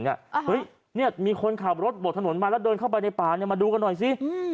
เฮ้ยเนี่ยมีคนขับรถบดถนนมาแล้วเดินเข้าไปในป่ามาดูกันหน่อยสิ